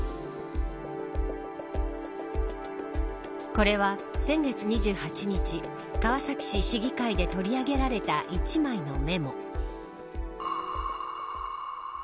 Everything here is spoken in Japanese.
これは先月２８日川崎市議会で取り上げられた１枚のメモ。